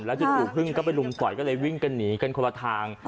จู่พึ่งก็ไปลุมต่อยก็เลยวิ่งกันหนีกันคนละทาง